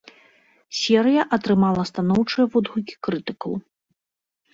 Серыя атрымала станоўчыя водгукі крытыкаў.